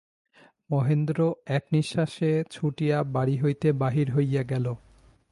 মহেন্দ্র এক নিশ্বাসে ছুটিয়া বাড়ি হইতে বাহির হইয়া গেল।